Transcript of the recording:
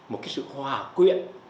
một cái sự hòa quyện